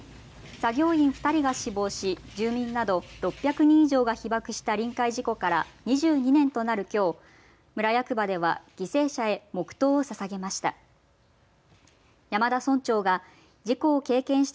作業員２人が死亡し住民など６００人以上が被ばくした臨界事故から２２年となる、きょう村役場では犠牲者へ黙とうをささげました。